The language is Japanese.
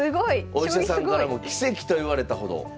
お医者さんからも奇跡と言われたほど。